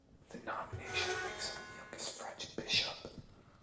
The nomination makes him the youngest French bishop.